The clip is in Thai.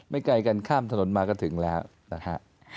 ไกลกันข้ามถนนมาก็ถึงแล้วนะฮะ